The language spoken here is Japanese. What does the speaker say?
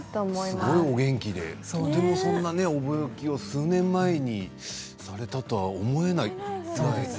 すごいお元気でとてもそんなご病気を数年前にされたとは思えないぐらいで。